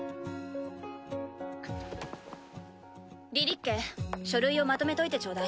リリッケ書類をまとめといてちょうだい。